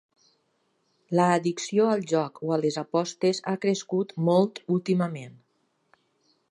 L'addicció al joc, o a les apostes, ha crescut molt últimament.